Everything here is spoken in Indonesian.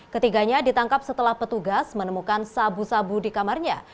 ketiganya ditangkap setelah petugas menemukan sabu sabu di kamarnya